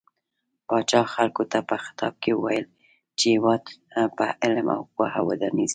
پاچا خلکو ته په خطاب کې وويل چې هيواد په علم او پوهه ودانيږي .